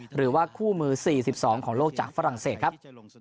หรือว่าคู่มือ๔๒ของโลกจากฝรั่งเศสครับ